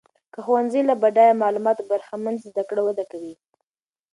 که ښوونځۍ له بډایه معلوماتو برخمن سي، زده کړه وده کوي.